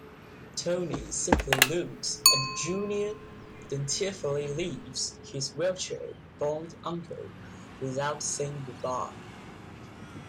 Tony simply looks at Junior then tearfully leaves his wheelchair-bound uncle without saying goodbye.